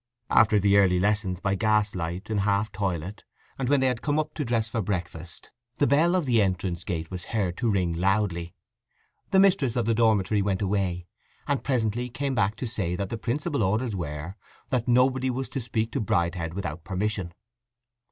After the early lessons by gas light, in half toilet, and when they had come up to dress for breakfast, the bell of the entrance gate was heard to ring loudly. The mistress of the dormitory went away, and presently came back to say that the principal's orders were that nobody was to speak to Bridehead without permission.